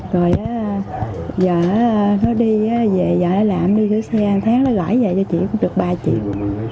rồi giờ nó đi về giờ nó làm đi thử xe tháng nó gọi về cho chị cũng được ba triệu